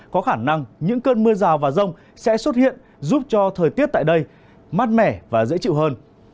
có khả năng những cơn mưa rào và rông sẽ xuất hiện giúp cho thời tiết tại đây mát mẻ và dễ chịu hơn